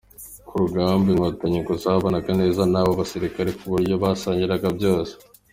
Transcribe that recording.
Ku rugamba, Inkotanyi ngo zabanaga neza n’abo basirikare ku buryo basangiraga byose.